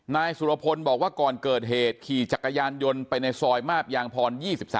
นายสุรพลบอกว่าก่อนเกิดเหตุขี่จักรยานยนต์ไปในซอยมาบยางพร๒๓